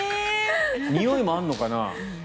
においもあるのかな。